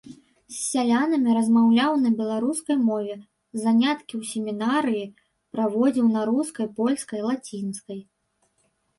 З сялянамі размаўляў на беларускай мове, заняткі ў семінарыі праводзіў на рускай, польскай, лацінскай.